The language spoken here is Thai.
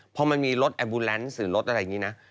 พอมันมีรถแอบูแลนซ์หรือรถอะไรอย่างนี้นะ